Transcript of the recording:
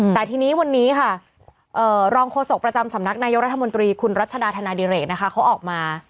แต่ทีนี้วันนี้ค่ะรองโฆษกประจำสำนักนายกรัฐมนตรีคุณรัชดาธนาดิเรกนะคะเขาออกมา